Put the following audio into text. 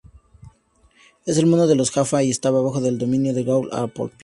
Es el mundo de los Jaffa y está bajo el dominio del Goa'uld Apophis.